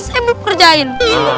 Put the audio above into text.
saya belum kerjain